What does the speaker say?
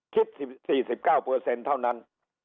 คิด๔๙เท่านั้น